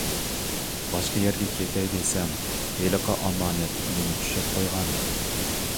باشقا يەرگە كېتەي دېسەم ھېلىقى ئامانەت مېنى چۈشەپ قويغانىدى.